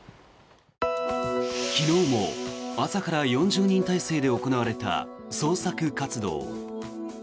昨日も朝から４０人態勢で行われた捜索活動。